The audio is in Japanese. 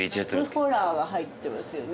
「夏ホラ」は入ってますよね。